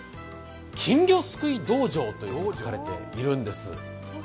金魚すくい道場と呼ばれているんです。